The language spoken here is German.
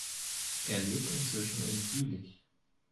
Er lebt inzwischen in Jülich.